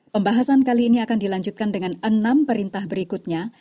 pembahasan kali ini akan dilanjutkan dengan enam perintah berikutnya